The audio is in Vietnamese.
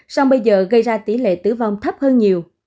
sau bây giờ gây ra tỷ lệ tử vong thấp hơn nhiều